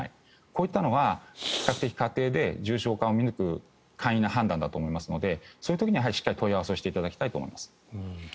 こういったのは比較的家庭で重症化を見抜く簡易な判断だと思いますのでそういう時にしっかり問い合わせをしていただきたいと思います。